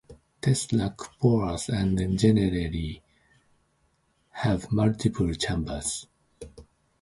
Tests lack pores and generally have multiple chambers.